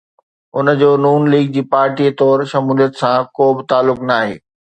ان جو نون ليگ جي پارٽي طور شموليت سان ڪو به تعلق ناهي.